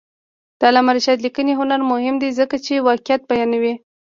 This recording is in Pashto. د علامه رشاد لیکنی هنر مهم دی ځکه چې واقعیت بیانوي.